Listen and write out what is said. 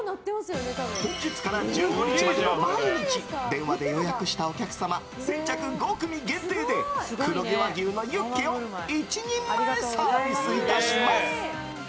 本日から１５日まで毎日電話で予約したお客様先着５組限定で黒毛和牛のユッケを１人前サービスいたします。